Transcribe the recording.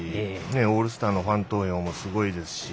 オールスターのファン投票もすごいですし。